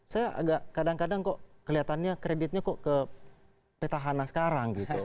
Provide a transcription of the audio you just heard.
saya agak kadang kadang kok kelihatannya kreditnya kok ke petahana sekarang gitu